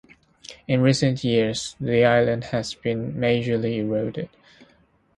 In recent years the island has been majorly eroded.